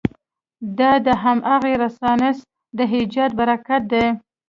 دا د همغه رنسانس د ایجاد براکت دی.